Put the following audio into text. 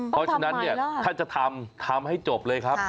เพราะฉะนั้นเนี่ยถ้าจะทำทำให้จบเลยครับ